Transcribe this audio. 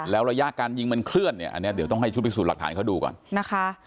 แล้วระยะการยิงมันเคลื่อนเนี่ยอันนี้เดี๋ยวต้องให้ชุดพิสูจน์หลักฐานเขาดูก่อนนะคะ